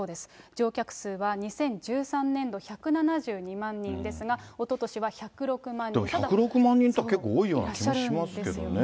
乗客数は２０１３年度１７２万人でも１０６万人っていったら結構多いような気もしますけどね。